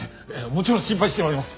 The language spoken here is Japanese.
もちろん心配しております。